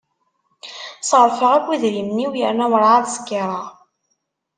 Ṣerrfeɣ akk idrimen-iw yerna ur ɛad skiṛeɣ